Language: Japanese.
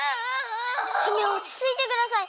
姫おちついてください！